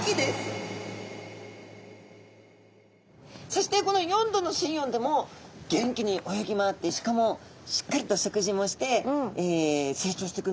そしてこの４℃の水温でも元気に泳ぎ回ってしかもしっかりと食事もして成長してくんですね。